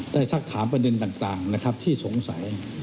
ได้สักถามประเด็นต่างที่ส่งสัย